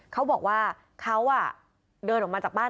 เขาบอกว่าเขาเดินออกมาจากบ้าน